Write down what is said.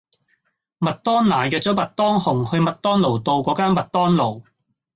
麥當娜約左麥當雄去麥當勞道果間麥當勞